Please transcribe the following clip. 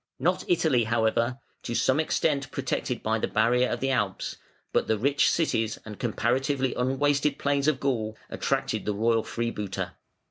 Not Italy however, to some extent protected by the barrier of the Alps, but the rich cities and comparatively unwasted plains of Gaul attracted the royal freebooter.